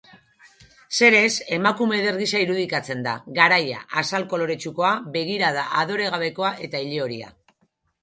Zeres emakume eder gisa irudikatzen da, garaia, azal koloretsukoa, begirada adoregabekoa eta ilehoria.